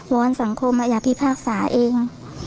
อนสังคมอย่าพิพากษาเอง